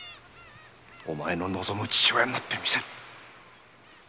お前の望む父親になってみせる。